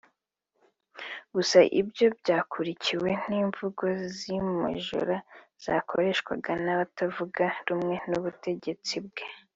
Gusa ibyo byakurikiwe n’imvugo zimujora zakoreshwaga n’abatavuga rumwe n’ubutegetsi bwe